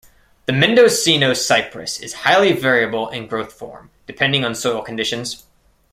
The Mendocino cypress is highly variable in growth form, depending on soil conditions.